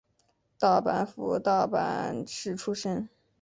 大阪府大阪市出身。